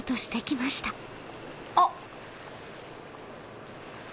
あっ！